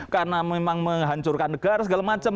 karena memang menghancurkan negara segala macam